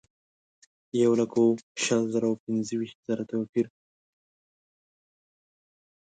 یولک شل زره او پنځه ویشت زره توپیر لري.